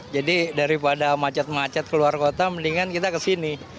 jadi daripada macet macet keluar kota mendingan kita ke sini